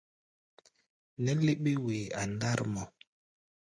Nɛ́ léɓé-wee a ndár mɔ.